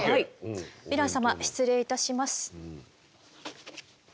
ヴィラン様失礼いたします。